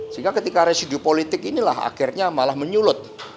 sehingga ketika residu politik inilah akhirnya malah menyulut